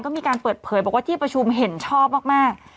ก็มีการเปิดเผยบอกว่าที่ประชุมเห็นชอบมาก